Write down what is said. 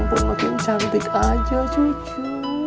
kau pun makin cantik aja cucu